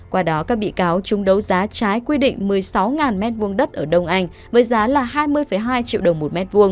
qua đó các bị cáo trung đấu giá trái quy định một mươi sáu m hai đất ở đông anh với giá là hai mươi hai triệu đồng một m hai